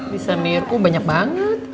bisa mirku banyak banget